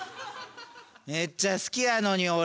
めっちゃ好きやのに俺。